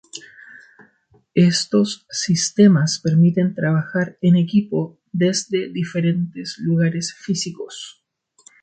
Estos sistemas permiten trabajar en equipo desde diferentes lugares físicos.